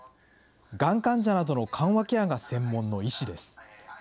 がん患者などの緩和ケアが専門の医師です。